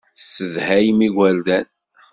Tessedhayem igerdan.